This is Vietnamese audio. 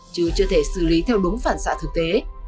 chứ chưa thể xử lý theo đúng phản xạ thực tế